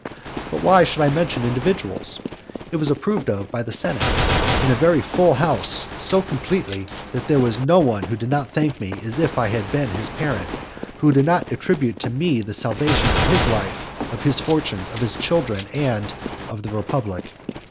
But why should I mention individuals? It was approved of by the senate, in a very full house, so completely, that there was no one who did not thank me as if I had been his parent, who did not attribute to me the salvation of his life, of his fortunes, of his children, and of the republic.